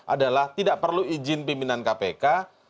adalah tidak perlu izin pimpinan kpk